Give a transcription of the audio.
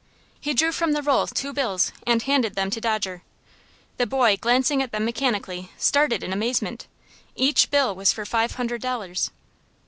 He drew from the roll two bills and handed them to Dodger. The boy, glancing at them mechanically, started in amazement. Each bill was for five hundred dollars.